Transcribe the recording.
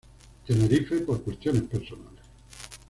Tenerife por cuestiones personales.